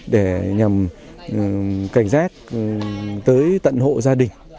để nhằm cảnh giác tới tận hộ gia đình